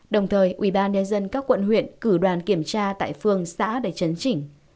đồng thời ubnd các quận huyện cử đoàn kiểm tra tại phường xã để chấn chỉnh